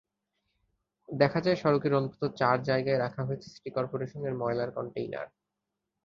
দেখা যায়, সড়কের অন্তত চার জায়গায় রাখা হয়েছে সিটি করপোরেশনের ময়লার কনটেইনার।